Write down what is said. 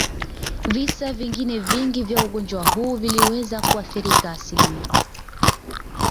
Visa vingine vingi vya ugonjwa huu viliweza kuathirika asilimi